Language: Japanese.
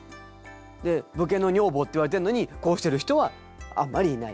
武家の女房って言われてるのにこうしてる人はあんまりいない。